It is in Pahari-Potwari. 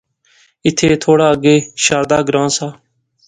ایتھے تھوڑا اگے شاردا گراں سا